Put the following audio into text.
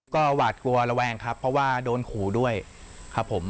ก็หวาดกลัวระแวงครับเพราะว่าโดนขู่ด้วยครับผม